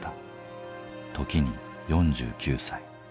時に４９歳。